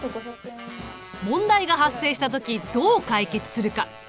問題が発生した時どう解決するか。